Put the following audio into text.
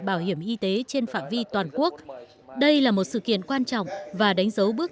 bảo hiểm y tế trên phạm vi toàn quốc